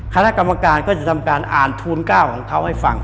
คณะกรรมการก็จะทำการอ่านทูล๙ของเขาให้ฟัง